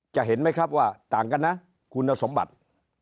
เห็นไหมครับว่าต่างกันนะคุณสมบัติ